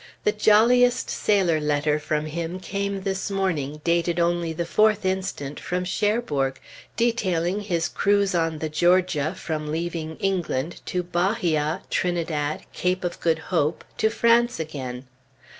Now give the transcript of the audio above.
The jolliest sailor letter from him came this morning, dated only the 4th instant from Cherbourg, detailing his cruise on the Georgia from leaving England, to Bahia, Trinidad, Cape of Good Hope, to France again.